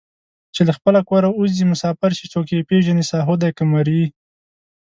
چې له خپله کوره اوځي مسافر شي څوک یې پېژني ساهو دی که مریی